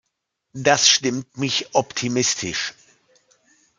Das stimmt mich optimistisch.